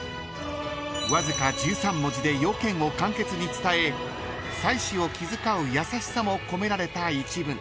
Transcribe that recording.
［わずか１３文字で用件を簡潔に伝え妻子を気遣う優しさも込められた一文］